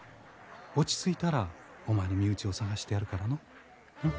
落ち着いたらお前の身内を捜してやるからの。